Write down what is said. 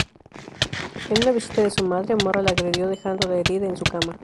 En una visita de su madre, Mora la agredió dejándola herida en su cama.